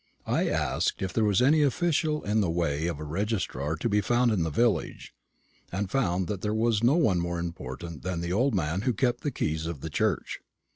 I asked if there was any official in the way of a registrar to be found in the village; and found that there was no one more important than an old man who kept the keys of the church.